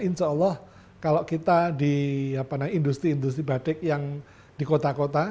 insya allah kalau kita di industri industri batik yang di kota kota